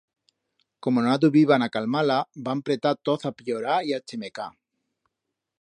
Como no adubiban a calmar-la van pretar toz a pllorar y a chemecar.